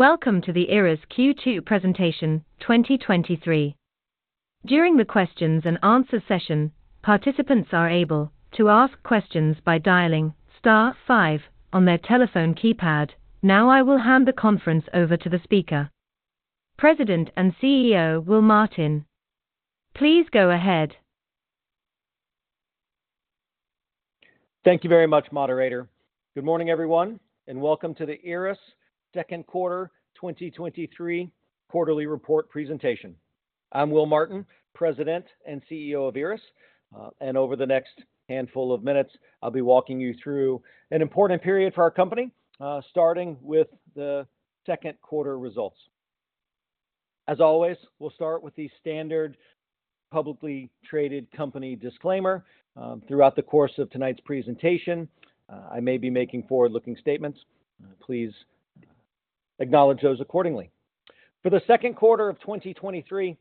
Welcome to the IRRAS Q2 Presentation 2023. During the questions and answer session, participants are able to ask questions by dialing star five on their telephone keypad. I will hand the conference over to the speaker. President and CEO, Will Martin. Please go ahead. Thank you very much, moderator. Good morning, everyone, welcome to the IRRAS second quarter, 2023 quarterly report presentation. I'm Will Martin, President and CEO of IRRAS. Over the next handful of minutes, I'll be walking you through an important period for our company, starting with the second quarter results. As always, we'll start with the standard publicly traded company disclaimer. Throughout the course of tonight's presentation, I may be making forward-looking statements. Please acknowledge those accordingly. For the second quarter of 2023,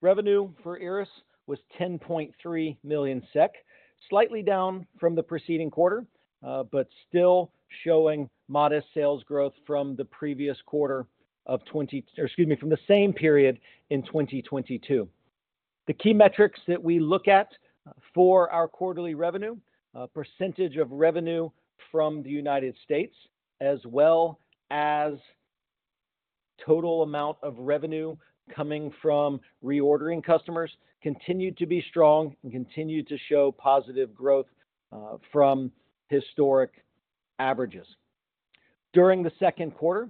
revenue for IRRAS was 10.3 million SEK, slightly down from the preceding quarter, but still showing modest sales growth from the previous quarter, excuse me, from the same period in 2022. The key metrics that we look at for our quarterly revenue, percentage of revenue from the United States, as well as total amount of revenue coming from reordering customers, continued to be strong and continued to show positive growth from historic averages. During the second quarter,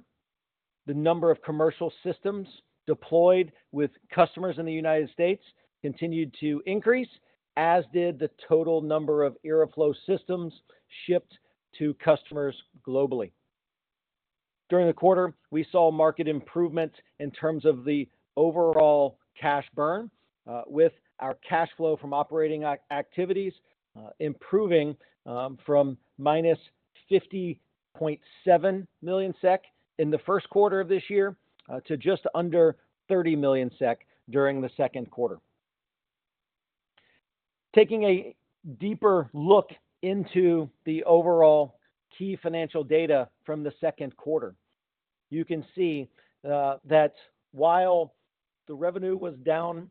the number of commercial systems deployed with customers in the United States continued to increase, as did the total number of IRRAflow systems shipped to customers globally. During the quarter, we saw market improvement in terms of the overall cash burn, with our cash flow from operating activities improving from minus 50.7 million SEK in the first quarter of this year to just under 30 million SEK during the second quarter. Taking a deeper look into the overall key financial data from the second quarter, you can see that while the revenue was down,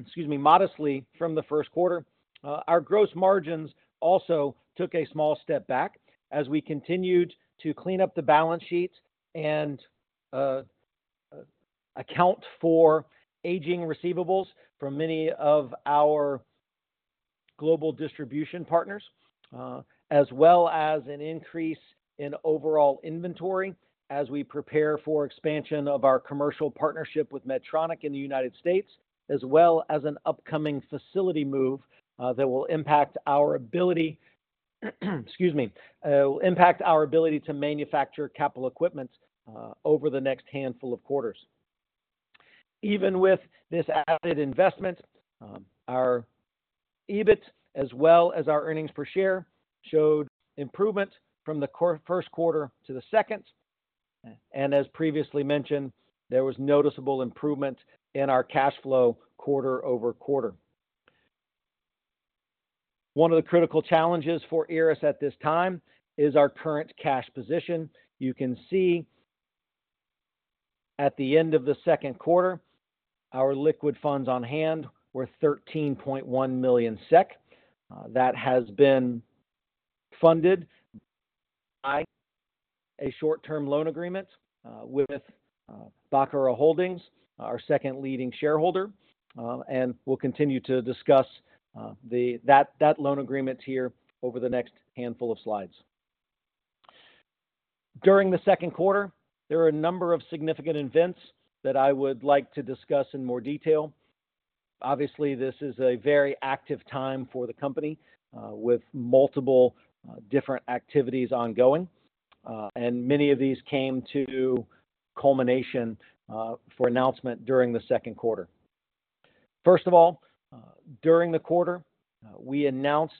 excuse me, modestly from the first quarter, our gross margins also took a small step back as we continued to clean up the balance sheet and account for aging receivables from many of our global distribution partners. As well as an increase in overall inventory as we prepare for expansion of our commercial partnership with Medtronic in the United States, as well as an upcoming facility move that will impact our ability, excuse me, impact our ability to manufacture capital equipment over the next handful of quarters. Even with this added investment, our EBIT, as well as our earnings per share, showed improvement from the first quarter to the second. As previously mentioned, there was noticeable improvement in our cash flow quarter-over-quarter. One of the critical challenges for IRRAS at this time is our current cash position. You can see at the end of the second quarter, our liquid funds on hand were 13.1 million SEK. That has been funded by a short-term loan agreement with Bacara Holdings, our second leading shareholder. We'll continue to discuss that loan agreement here over the next handful of slides. During the second quarter, there were a number of significant events that I would like to discuss in more detail. Obviously, this is a very active time for the company, with multiple different activities ongoing, and many of these came to culmination for announcement during the second quarter. First of all, during the quarter, we announced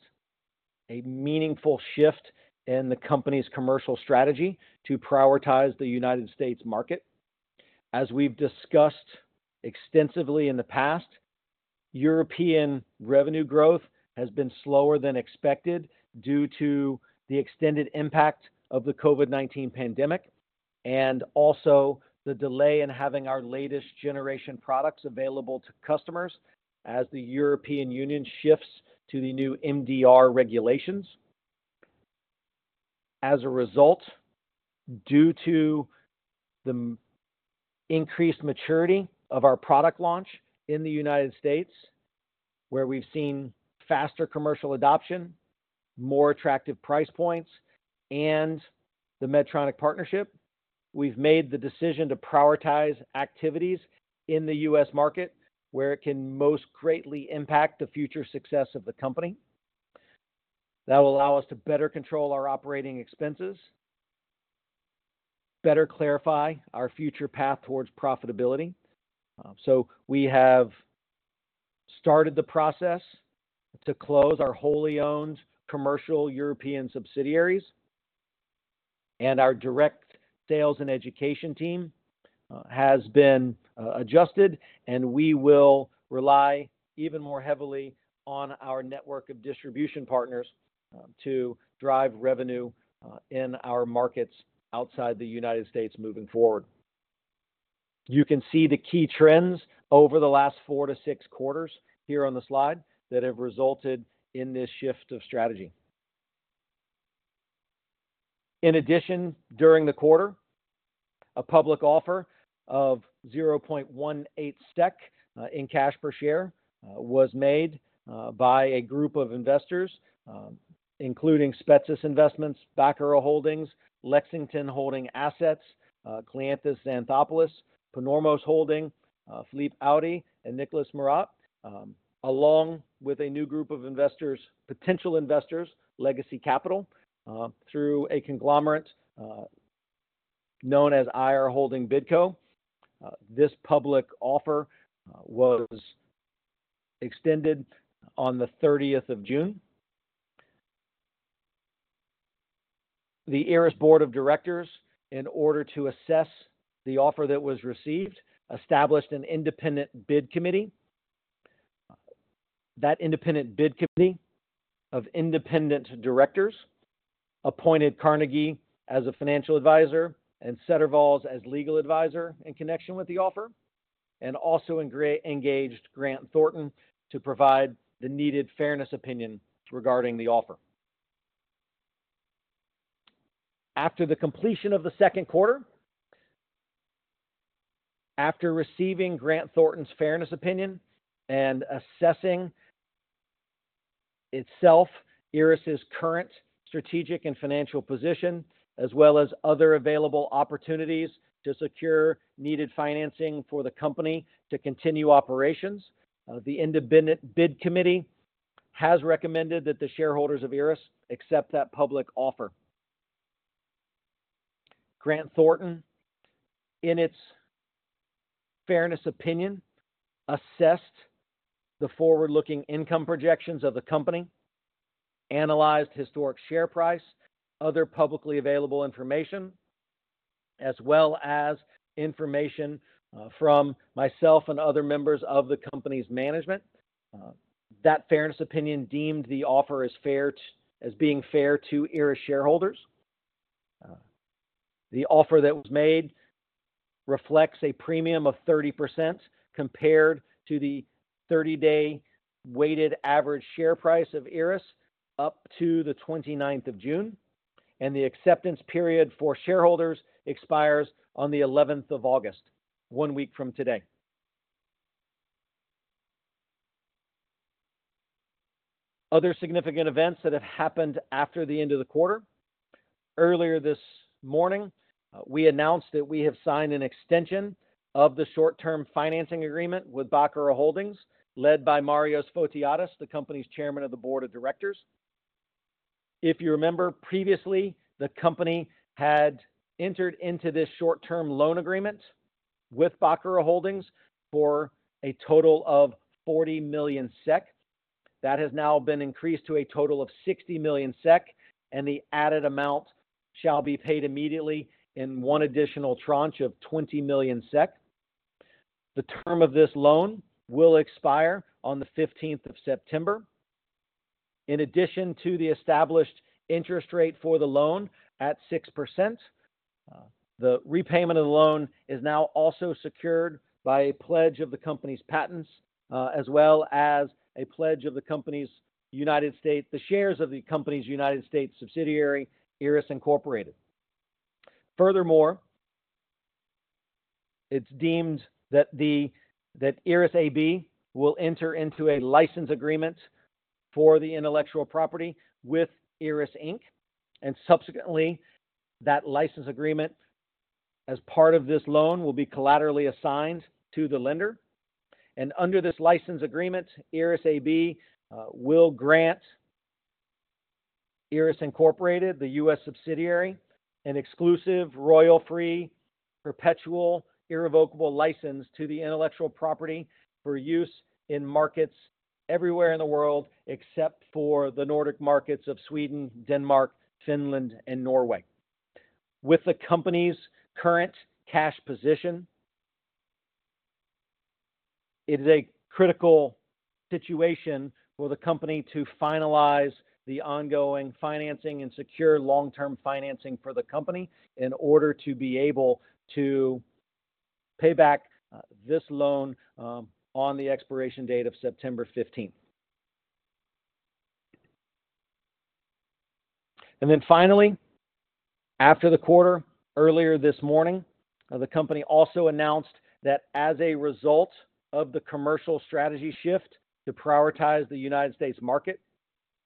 a meaningful shift in the company's commercial strategy to prioritize the United States market. As we've discussed extensively in the past, European revenue growth has been slower than expected due to the extended impact of the COVID-19 pandemic, and also the delay in having our latest generation products available to customers as the European Union shifts to the new MDR regulations. As a result, due to the increased maturity of our product launch in the United States, where we've seen faster commercial adoption, more attractive price points, and the Medtronic partnership, we've made the decision to prioritize activities in the US market, where it can most greatly impact the future success of the company. That will allow us to better control our operating expenses, better clarify our future path towards profitability. We have started the process to close our wholly owned commercial European subsidiaries and our direct sales and education team has been adjusted, and we will rely even more heavily on our network of distribution partners to drive revenue in our markets outside the United States moving forward. You can see the key trends over the last four to six quarters here on the slide that have resulted in this shift of strategy. In addition, during the quarter, a public offer of 0.18 SEK in cash per share was made by a group of investors, including Spetses Investments, Bacara Holdings, Lexington Holding Assets, Kleanthis Xanthopoulos, Panormos Holding, Philippe Audy, and Nicolas Muroff, along with a new group of investors, potential investors, Legacy Capital, through a conglomerate known as IR Holding Bidco. This public offer was extended on the June 30th. The IRRAS board of directors, in order to assess the offer that was received, established an independent bid committee. Independent bid committee of independent directors appointed Carnegie as a financial advisor and Setterwalls as legal advisor in connection with the offer, and also engaged Grant Thornton to provide the needed fairness opinion regarding the offer. After the completion of the second quarter, after receiving Grant Thornton's fairness opinion and assessing itself, IRRAS's current strategic and financial position, as well as other available opportunities to secure needed financing for the company to continue operations, the independent bid committee has recommended that the shareholders of IRRAS accept that public offer. Grant Thornton, in its fairness opinion, assessed the forward-looking income projections of the company, analyzed historic share price, other publicly available information, as well as information from myself and other members of the company's management. That fairness opinion deemed the offer as being fair to IRRAS shareholders. The offer that was made reflects a premium of 30% compared to the 30-day weighted average share price of IRRAS up to the June 29th. The acceptance period for shareholders expires on the August 11th, one week from today. Other significant events that have happened after the end of the quarter. Earlier this morning, we announced that we have signed an extension of the short-term financing agreement with Bacara Holdings, led by Marios Fotiadis, the company's chairman of the board of directors. If you remember previously, the company had entered into this short-term loan agreement with Bacara Holdings for a total of 40 million SEK. That has now been increased to a total of 60 million SEK, and the added amount shall be paid immediately in one additional tranche of 20 million SEK. The term of this loan will expire on the September 15th. In addition to the established interest rate for the loan at 6%, the repayment of the loan is now also secured by a pledge of the company's patents, as well as a pledge of the company's United States- the shares of the company's United States subsidiary, IRRAS Incorporated. Furthermore, it's deemed that the, that IRRAS AB will enter into a license agreement for the intellectual property with IRRAS USA Inc., and subsequently, that license agreement, as part of this loan, will be collaterally assigned to the lender. Under this license agreement, IRRAS AB will grant IRRAS USA Inc., the U.S. subsidiary, an exclusive, royalty-free, perpetual, irrevocable license to the intellectual property for use in markets everywhere in the world, except for the Nordic markets of Sweden, Denmark, Finland, and Norway. With the company's current cash position, it is a critical situation for the company to finalize the ongoing financing and secure long-term financing for the company in order to be able to pay back this loan on the expiration date of September 15th. Then finally, after the quarter, earlier this morning, the company also announced that as a result of the commercial strategy shift to prioritize the United States market,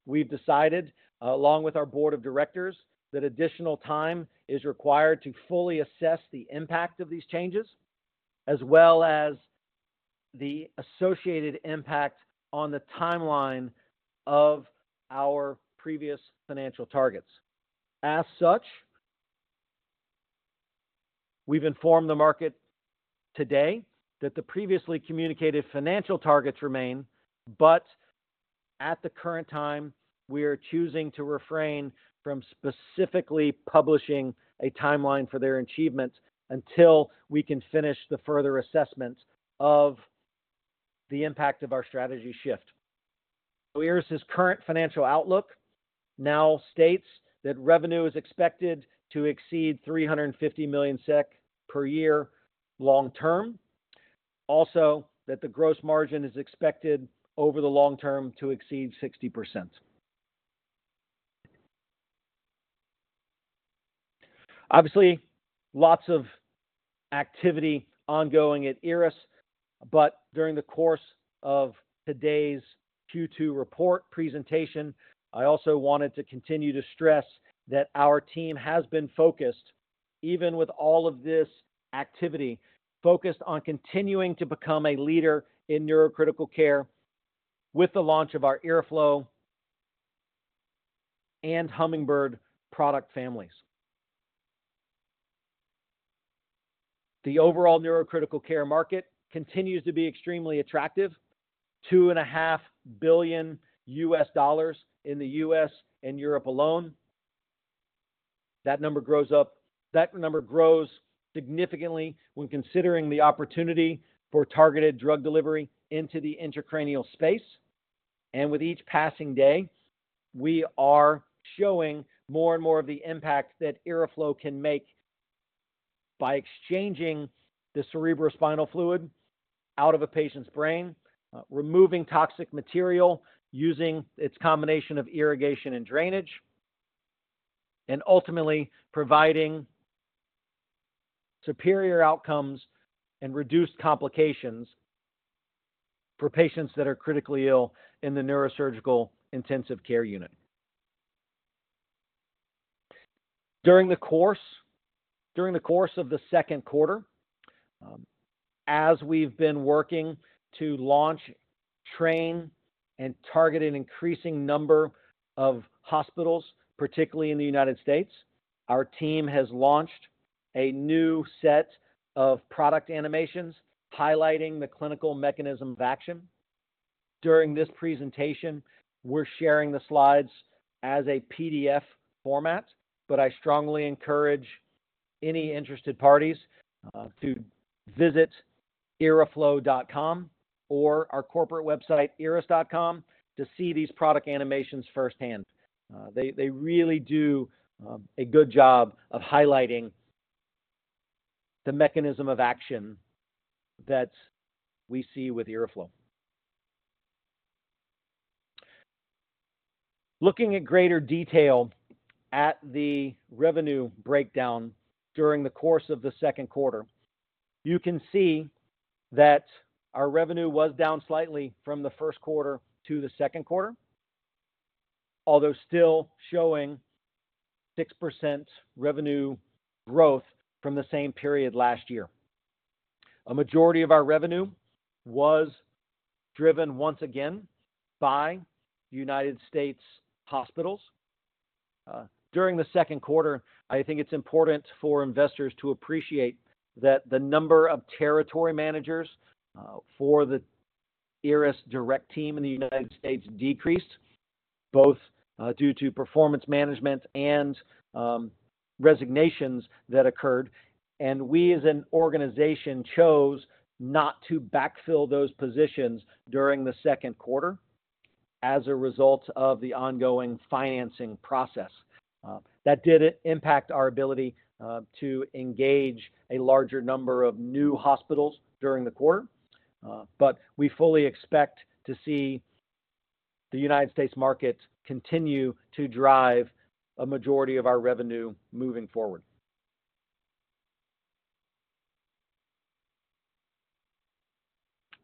we've decided, along with our board of directors, that additional time is required to fully assess the impact of these changes, as well as the associated impact on the timeline of our previous financial targets. As such, we've informed the market today that the previously communicated financial targets remain. At the current time, we are choosing to refrain from specifically publishing a timeline for their achievements until we can finish the further assessments of the impact of our strategy shift. IRRAS's current financial outlook now states that revenue is expected to exceed 350 million SEK per year long term. Also, that the gross margin is expected over the long term to exceed 60%. Obviously, lots of activity ongoing at IRRAS, during the course of today's Q2 report presentation, I also wanted to continue to stress that our team has been focused, even with all of this activity, focused on continuing to become a leader in neurocritical care with the launch of our IRRAflow and Hummingbird product families. The overall neurocritical care market continues to be extremely attractive, $2.5 billion in the U.S. and Europe alone. That number grows significantly when considering the opportunity for targeted drug delivery into the intracranial space. With each passing day, we are showing more and more of the impact that IRRAflow can make by exchanging the cerebrospinal fluid out of a patient's brain, removing toxic material, using its combination of irrigation and drainage, and ultimately providing superior outcomes and reduced complications for patients that are critically ill in the neurosurgical intensive care unit. During the course of the second quarter, as we've been working to launch, train, and target an increasing number of hospitals, particularly in the United States, our team has launched a new set of product animations highlighting the clinical mechanism of action. During this presentation, we're sharing the slides as a PDF format, but I strongly encourage any interested parties to visit irraflow.com or our corporate website, irras.com, to see these product animations firsthand. They, they really do a good job of highlighting the mechanism of action that we see with IRRAflow. Looking in greater detail at the revenue breakdown during the course of the second quarter, you can see that our revenue was down slightly from the first quarter to the second quarter, although still showing 6% revenue growth from the same period last year. A majority of our revenue was driven once again by United States hospitals. During the second quarter, I think it's important for investors to appreciate that the number of territory managers for the IRRAS direct team in the United States decreased, both due to performance management and resignations that occurred. We, as an organization, chose not to backfill those positions during the second quarter as a result of the ongoing financing process. That did impact our ability to engage a larger number of new hospitals during the quarter. We fully expect to see the United States market continue to drive a majority of our revenue moving forward.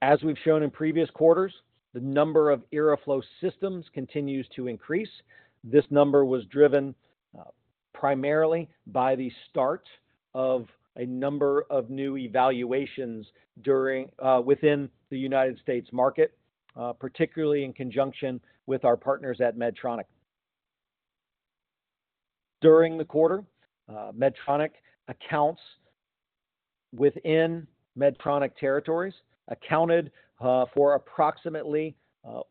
As we've shown in previous quarters, the number of IRRAflow systems continues to increase. This number was driven primarily by the start of a number of new evaluations during within the United States market, particularly in conjunction with our partners at Medtronic. During the quarter, Medtronic accounts within Medtronic territories accounted for approximately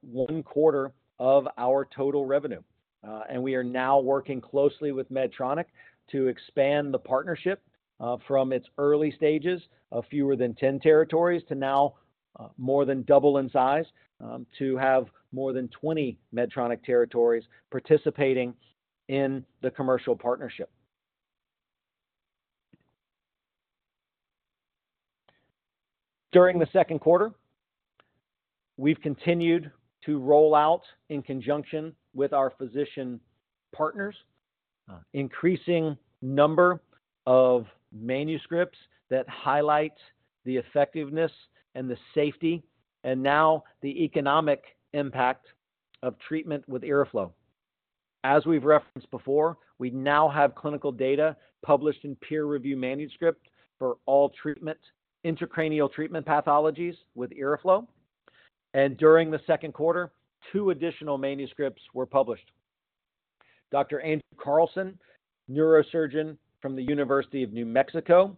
one quarter of our total revenue. We are now working closely with Medtronic to expand the partnership from its early stages of fewer than 10 territories to now more than double in size to have more than 20 Medtronic territories participating in the commercial partnership. During the second quarter, we've continued to roll out in conjunction with our physician partners, increasing number of manuscripts that highlight the effectiveness and the safety, and now the economic impact of treatment with IRRAflow. As we've referenced before, we now have clinical data published in peer review manuscript for all treatment, intracranial treatment pathologies with IRRAflow. During the second quarter, two additional manuscripts were published. Dr. Andrew Carlson, neurosurgeon from the University of New Mexico,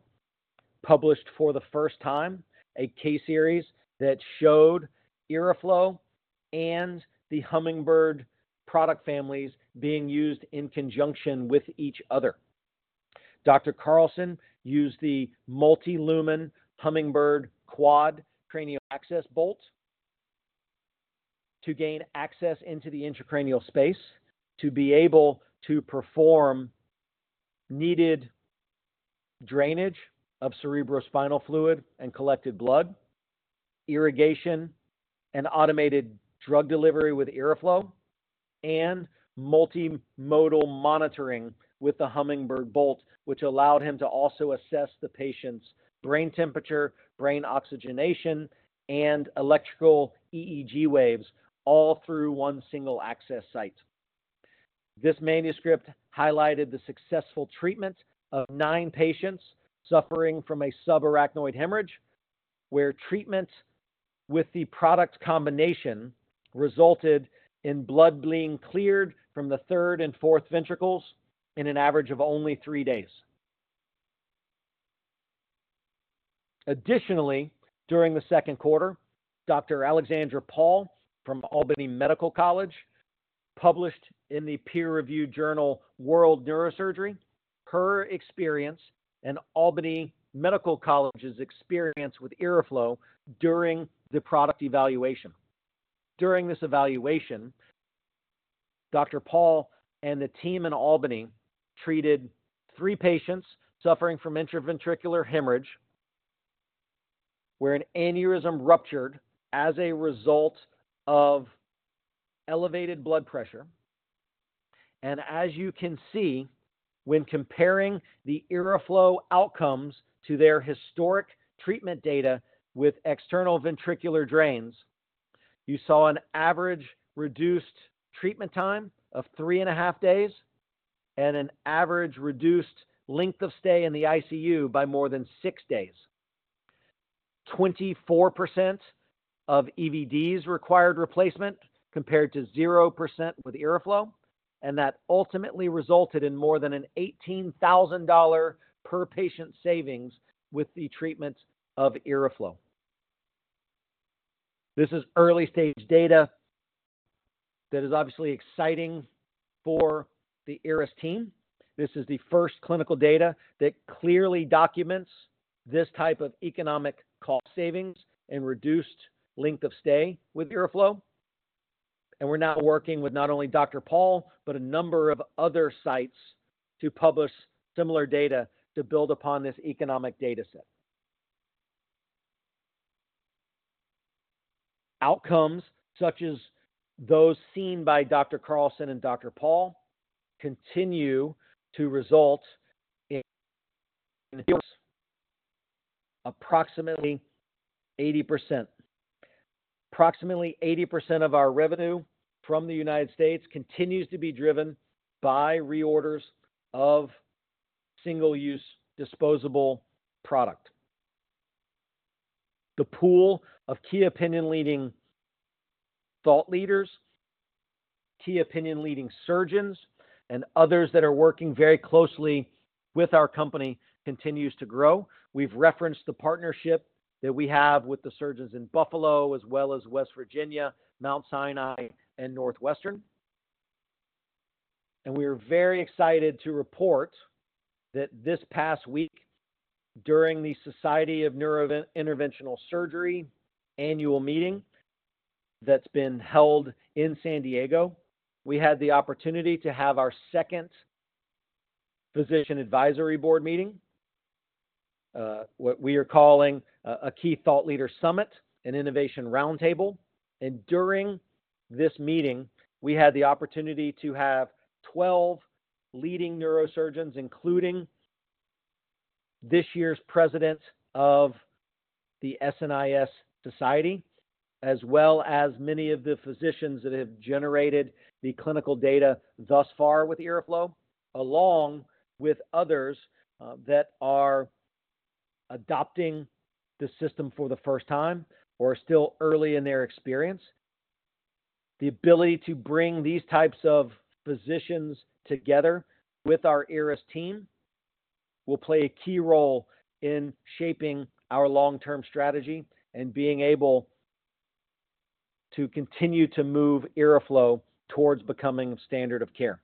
published for the first time a case series that showed IRRAflow and the Hummingbird product families being used in conjunction with each other. Dr. Carlson...... used the multi-lumen Hummingbird Quad cranial access bolt to gain access into the intracranial space, to be able to perform needed drainage of cerebrospinal fluid and collected blood, irrigation and automated drug delivery with IRRAflow, and multimodal monitoring with the Hummingbird bolt, which allowed him to also assess the patient's brain temperature, brain oxygenation, and electrical EEG waves, all through one single access site. This manuscript highlighted the successful treatment of nine patients suffering from a subarachnoid hemorrhage, where treatment with the product combination resulted in blood being cleared from the third and fourth ventricles in an average of only three days. Additionally, during the second quarter, Dr. Alexandra Paul from Albany Medical College, published in the peer-reviewed journal, World Neurosurgery, her experience and Albany Medical College's experience with IRRAflow during the product evaluation. During this evaluation, Dr. Paul and the team in Albany treated three patients suffering from intraventricular hemorrhage, where an aneurysm ruptured as a result of elevated blood pressure. As you can see, when comparing the IRRAflow outcomes to their historic treatment data with external ventricular drains, you saw an average reduced treatment time of three and a half days and an average reduced length of stay in the ICU by more than six days. 24% of EVDs required replacement, compared to 0% with IRRAflow, and that ultimately resulted in more than an $18,000 per patient savings with the treatment of IRRAflow. This is early-stage data that is obviously exciting for the IRRAS team. This is the first clinical data that clearly documents this type of economic cost savings and reduced length of stay with IRRAflow, and we're now working with not only Dr. Paul. A number of other sites to publish similar data to build upon this economic data set. Outcomes such as those seen by Dr. Carlson and Dr. Paul continue to result in approximately 80%. Approximately 80% of our revenue from the United States continues to be driven by reorders of single-use disposable product. The pool of key opinion leading thought leaders, key opinion leading surgeons, and others that are working very closely with our company continues to grow. We've referenced the partnership that we have with the surgeons in Buffalo, as well as West Virginia, Mount Sinai, and Northwestern. We are very excited to report that this past week, during the Society of NeuroInterventional Surgery annual meeting that's been held in San Diego, we had the opportunity to have our second physician advisory board meeting, what we are calling a key thought leader summit and innovation roundtable. During this meeting, we had the opportunity to have 12 leading neurosurgeons, including this year's president of the SNIS Society, as well as many of the physicians that have generated the clinical data thus far with IRRAflow, along with others that are adopting the system for the first time or are still early in their experience. The ability to bring these types of physicians together with our IRRAS team will play a key role in shaping our long-term strategy and being able to continue to move IRRAflow towards becoming standard of care.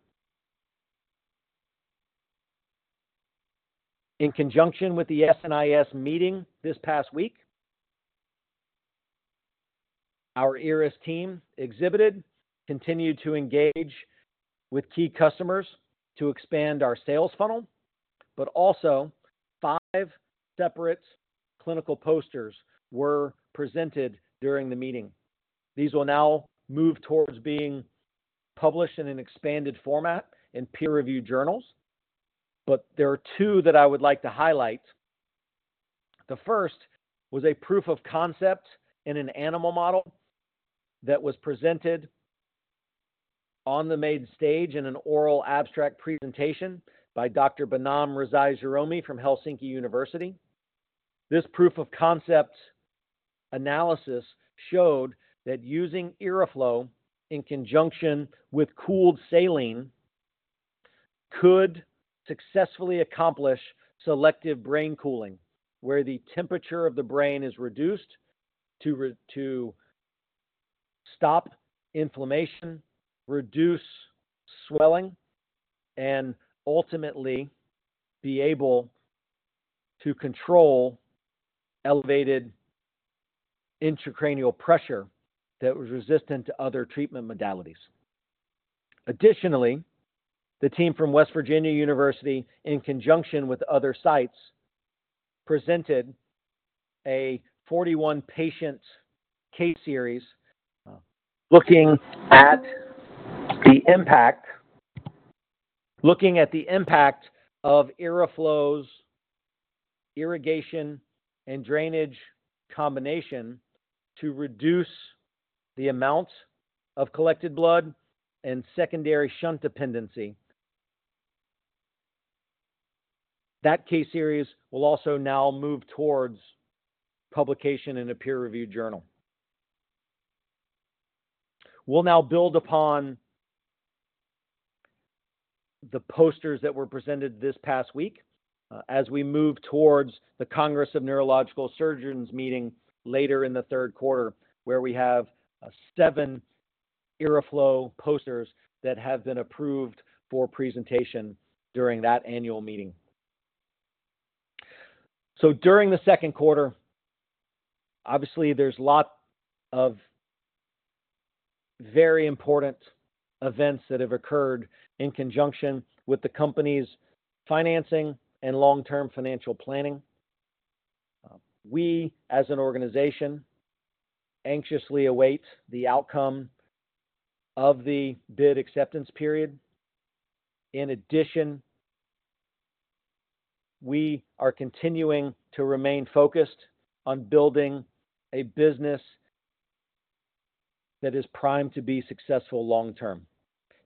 In conjunction with the SNIS meeting this past week, our IRRAS team exhibited, continued to engage with key customers to expand our sales funnel, also five separate clinical posters were presented during the meeting. These will now move towards being published in an expanded format in peer-reviewed journals, there are two that I would like to highlight. The first was a proof of concept in an animal model that was presented on the main stage in an oral abstract presentation by Dr. Behnam Rezai Jahromi from Helsinki University. This proof of concept analysis showed that using IRRAflow in conjunction with cooled saline could successfully accomplish selective brain cooling, where the temperature of the brain is reduced to stop inflammation, reduce swelling, and ultimately be able to control elevated intracranial pressure that was resistant to other treatment modalities. Additionally, the team from West Virginia University, in conjunction with other sites, presented a 41 patient case series looking at the impact, looking at the impact of IRRAflow's irrigation and drainage combination to reduce the amount of collected blood and secondary shunt dependency. That case series will also now move towards publication in a peer-reviewed journal. We'll now build upon the posters that were presented this past week, as we move towards the Congress of Neurological Surgeons Meeting later in the third quarter, where we have seven IRRAflow posters that have been approved for presentation during that annual meeting. During the second quarter, obviously, there's a lot of very important events that have occurred in conjunction with the company's financing and long-term financial planning. We, as an organization, anxiously await the outcome of the bid acceptance period. In addition, we are continuing to remain focused on building a business that is primed to be successful long term.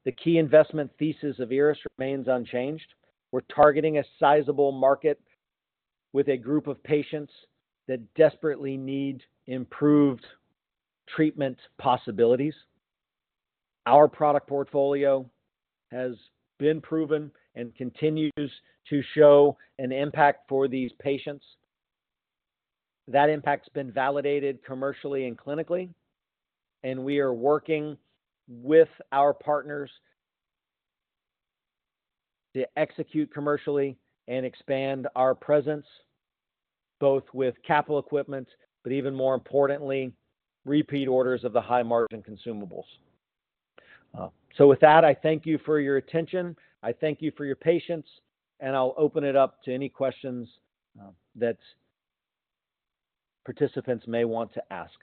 The key investment thesis of IRRAS remains unchanged. We're targeting a sizable market with a group of patients that desperately need improved treatment possibilities. Our product portfolio has been proven and continues to show an impact for these patients. That impact's been validated commercially and clinically, and we are working with our partners to execute commercially and expand our presence, both with capital equipment, but even more importantly, repeat orders of the high-margin consumables. With that, I thank you for your attention. I thank you for your patience, and I'll open it up to any questions that participants may want to ask.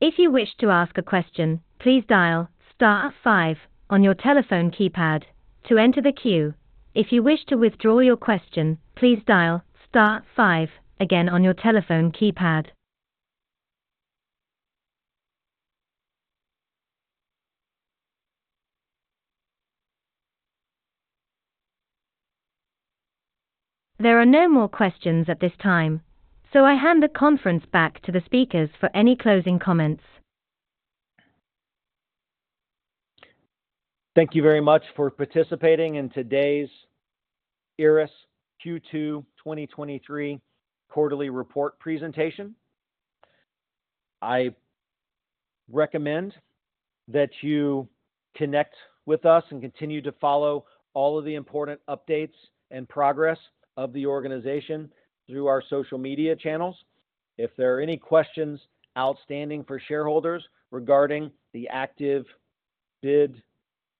If you wish to ask a question, please dial star five on your telephone keypad to enter the queue. If you wish to withdraw your question, please dial star five again on your telephone keypad. There are no more questions at this time, so I hand the conference back to the speakers for any closing comments. Thank you very much for participating in today's IRRAS Q2 2023 quarterly report presentation. I recommend that you connect with us and continue to follow all of the important updates and progress of the organization through our social media channels. If there are any questions outstanding for shareholders regarding the active bid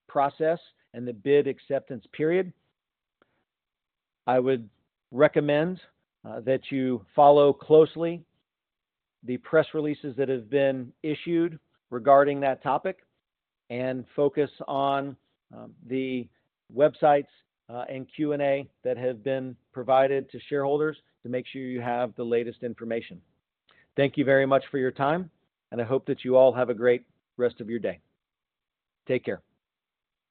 process and the bid acceptance period, I would recommend that you follow closely the press releases that have been issued regarding that topic and focus on the websites and Q&A that have been provided to shareholders to make sure you have the latest information. Thank you very much for your time, and I hope that you all have a great rest of your day. Take care.